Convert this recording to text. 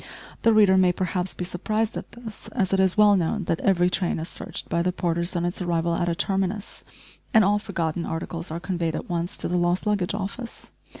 The reader may perhaps be surprised at this, as it is well known that every train is searched by the porters on its arrival at a terminus, and all forgotten articles are conveyed at once to the lost luggage office.